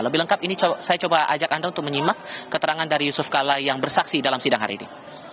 lebih lengkap ini saya coba ajak anda untuk menyimak keterangan dari yusuf kala yang bersaksi dalam sidang hari ini